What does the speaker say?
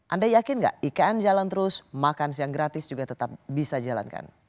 anda yakin nggak ikn jalan terus makan siang gratis juga tetap bisa jalankan